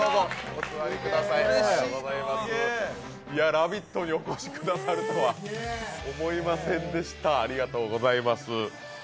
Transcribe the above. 「ラヴィット！」にお越しくださるとは思いませんでした、ありがとうございます。